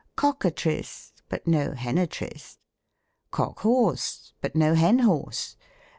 Cock atrice, but no Hen atrice. Cock horse, but no Hen horse.